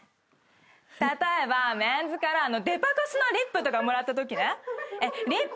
例えばメンズからデパコスのリップとかもらったときね。